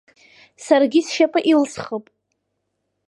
Саргьы сшьапы илсхып.